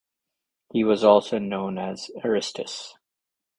He was also known as Aristus.